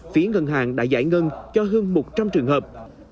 phía ngân hàng đã giải ngân cho hơn một trăm linh trường hợp